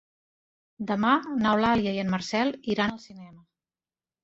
Demà n'Eulàlia i en Marcel iran al cinema.